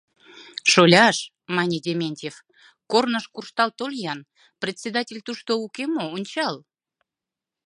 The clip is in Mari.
— Шоляш, — мане Дементьев, — корныш куржтал тол-ян, председатель тушто уке мо, ончал.